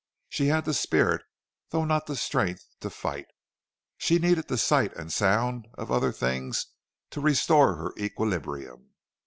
She had the spirit, though not the strength, to fight. She needed the sight and sound of other things to restore her equilibrium.